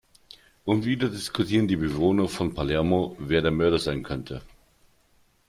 Und wieder diskutieren die Bewohner von Palermo, wer der Mörder sein könnte.